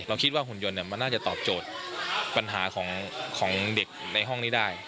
คิดว่าหุ่นยนต์มันน่าจะตอบโจทย์ปัญหาของเด็กในห้องนี้ได้